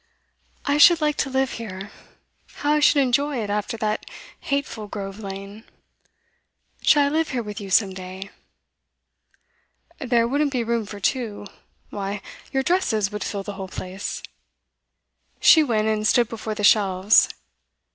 'I should like to live here; how I should enjoy it after that hateful Grove Lane! Shall I live here with you some day?' 'There wouldn't be room for two. Why, your dresses would fill the whole place.' She went and stood before the shelves.